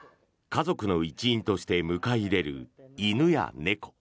家族の一員として迎え入れる犬や猫。